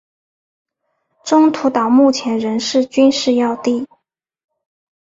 中途岛目前仍是军事要地。